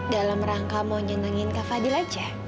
dalam rangka mau nyenengin kak fadil aja